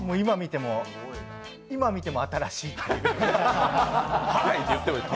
今見ても新しいっていう感じ。